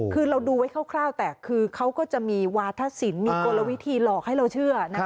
คือเราดูไว้คร่าวแต่คือเขาก็จะมีวาธศิลป์มีกลวิธีหลอกให้เราเชื่อนะคะ